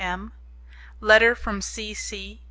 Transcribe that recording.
M. Letter From C. C.